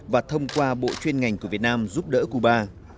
và thông qua bộ chuyên ngành của việt nam giúp đỡ cuba